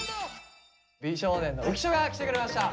美少年の浮所が来てくれました。